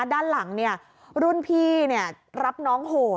ด้านหลังเนี่ยรุ่นพี่เนี่ยรับน้องโหด